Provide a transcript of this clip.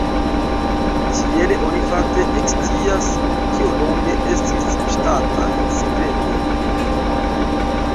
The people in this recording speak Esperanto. Tiele oni fakte ekscias, kio longe estis ŝtataj sekretoj.